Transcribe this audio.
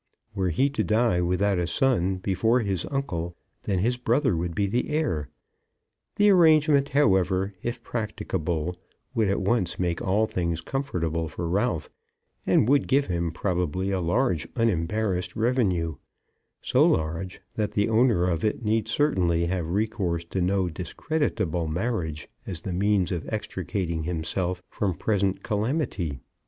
Were he to die without a son before his uncle, then his brother would be the heir. The arrangement, however, if practicable, would at once make all things comfortable for Ralph, and would give him, probably, a large unembarrassed revenue, so large, that the owner of it need certainly have recourse to no discreditable marriage as the means of extricating himself from present calamity.